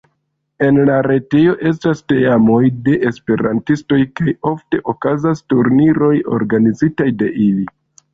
En la retejo estas teamoj de esperantistoj kaj ofte okazas turniroj organizitaj de ili.